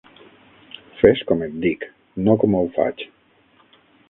Fes com et dic, no com ho faig.